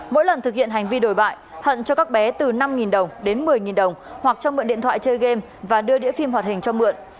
mỗi lần thực hiện hành vi đổi bại hận cho các bé từ năm đồng đến một mươi đồng hoặc cho mượn điện thoại chơi game và đưa đĩa phim hoạt hình cho mượn